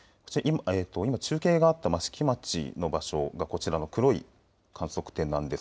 今、中継があった益城町の場所がこちらの黒い観測点です。